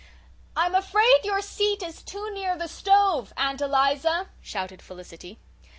"I'm afraid your seat is too near the stove, Aunt Eliza," shouted Felicity.